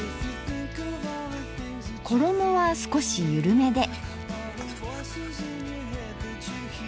衣は少しゆるめで。